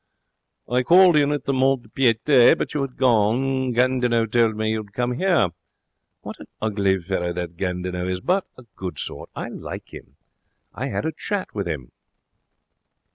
'I called in at the mont de piete but you had gone. Gandinot told me you had come here. What an ugly fellow that Gandinot is! But a good sort. I like him. I had a chat with him.'